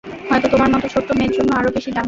হয়তো তোমার মত ছোট্ট মেয়ের জন্য আরও বেশি দামী হবে।